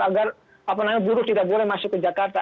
agar buruh tidak boleh masuk ke jakarta